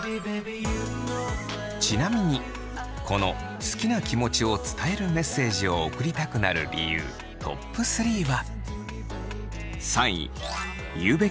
ちなみにこの好きな気持ちを伝えるメッセージを送りたくなる理由トップ３は。